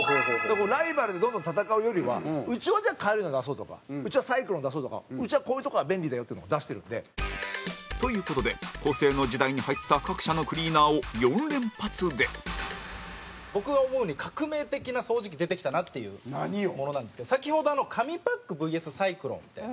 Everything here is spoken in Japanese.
ライバルで、どんどん戦うよりはうちは、軽いの出そうとかうちは、サイクロン出そうとかうちは、こういうとこが便利だよっていうのを出してるんで。という事で個性の時代に入った各社のクリーナーを４連発で僕が思うに、革命的な掃除機出てきたなっていうものなんですけど先ほど紙パックＶＳサイクロンって。